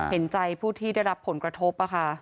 เห็นใจผู้ที่ได้รับผลกระทบ